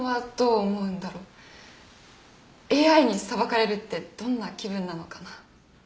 ＡＩに裁かれるってどんな気分なのかな。